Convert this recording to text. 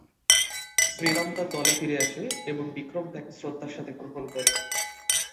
শ্রী রাম তার দলে ফিরে আসে এবং বিক্রম তাকে শ্রদ্ধার সাথে গ্রহণ করে।